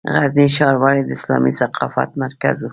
غزني ښار ولې د اسلامي ثقافت مرکز و؟